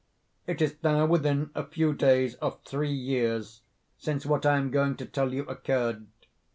"It is now within a few days of three years since what I am going to tell you occurred.